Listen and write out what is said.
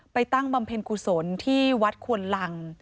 ตั้งบำเพ็ญกุศลที่วัดควนลัง